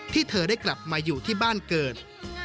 เธอได้กลับมาอยู่ที่บ้านเกิด